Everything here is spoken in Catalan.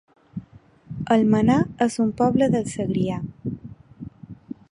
Almenar es un poble del Segrià